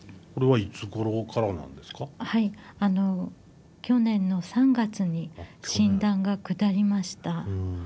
はい去年の３月に診断が下りました。